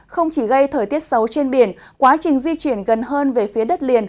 không chỉ gây thời tiết xấu trên biển quá trình di chuyển gần hơn về phía đất liền